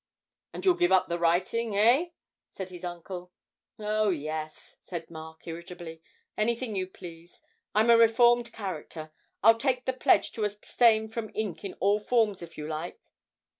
'And you'll give up the writing, hey?' said his uncle. 'Oh, yes,' said Mark, irritably, 'anything you please. I'm a reformed character; I'll take the pledge to abstain from ink in all forms if you like.'